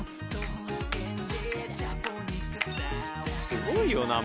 すごいよな